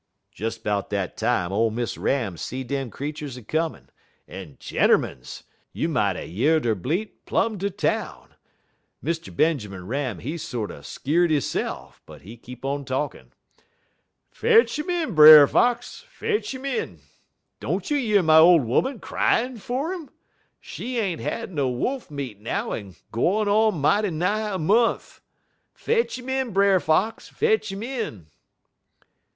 "Des 'bout dat time ole Miss Ram see dem creeturs a comin', en gentermens! you mought er yeard er blate plum ter town. Mr. Benjermun Ram, he sorter skeer'd hisse'f, but he keep on talkin': "'Fetch 'im in, Brer Fox! fetch 'im in! Don't you year my ole 'oman cryin' fer 'im? She ain't had no wolf meat now in gwine on mighty nigh a mont'. Fetch 'im in, Brer Fox! fetch 'im in!'